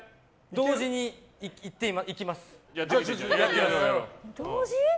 同時にいきます。